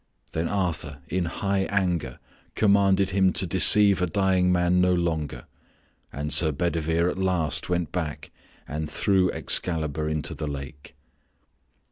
Then Arthur in high anger commanded him to deceive a dying man no longer and Sir Bedivere at last went back and threw Excalibur into the lake.